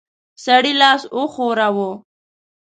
سړي لاس وښوراوه.